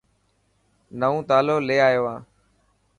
نئو تالو لي آيو هان.